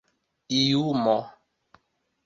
lumo